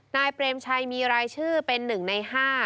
เปรมชัยมีรายชื่อเป็น๑ใน๕